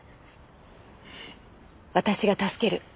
私が助ける。